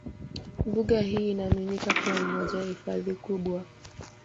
Mbuga hii inaaminika kuwa ni moja ya hifadhi kubwa